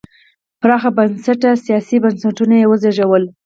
پراخ بنسټه سیاسي بنسټونه یې وزېږول.